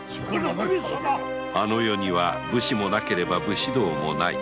あの世には武士もなければ武士道もない